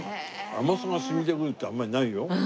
甘さが染みてくるってあんまりないよ。